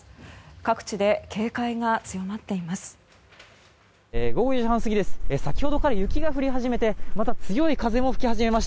各地で警戒が強まっています。